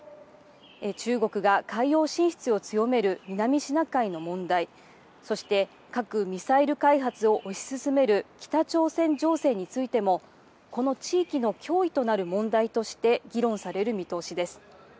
中国が海洋進出を強める南シナ海の問題、そして核・ミサイル開発を推し進める北朝鮮情勢についても、この地域の脅威となる問題として議論される見通しです。